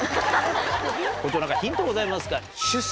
校長何かヒントございますか？